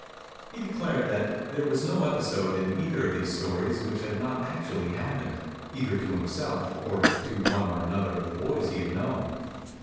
He declared that there was no episode in either of these stories which had not actually happened, either to himself or to one or another of the boys he had known.